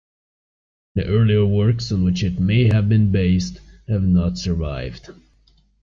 The earlier works on which it may have been based have not survived.